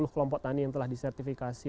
tiga puluh kelompok tani yang telah disertifikasi